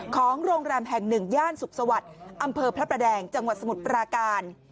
ของโรงแรมแห่งหนึ่งย่านสุขสวัสดิ์อำเภอพระประแดงจังหวัดสมุทรปราการ